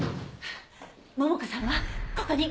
桃香さんはここに。